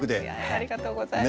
ありがとうございます。